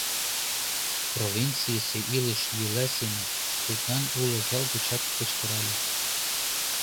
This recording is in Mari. - провинцийысе илыш-йӱла семын, тудлан уло зал гочак кычкырале.